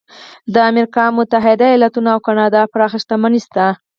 د امریکا متحده ایالتونو او کاناډا پراخه شتمني شته.